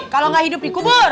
kalau gak hidup dikubur